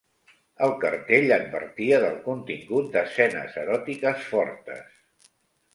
El cartell advertia del contingut d'escenes eròtiques fortes.